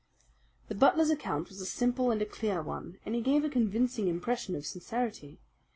The butler's account was a simple and a clear one, and he gave a convincing impression of sincerity.